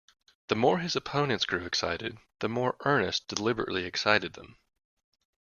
The more his opponents grew excited, the more Ernest deliberately excited them.